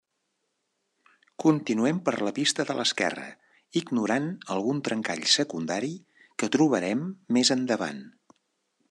Continuem per la pista de l'esquerra, ignorant algun trencall secundari que trobarem més endavant.